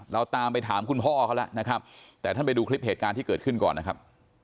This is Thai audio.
เราตามไปถามคุณพ่อเขาแล้วนะครับแต่ท่านไปดูคลิปเหตุการณ์ที่เกิดขึ้นก่อนนะครับ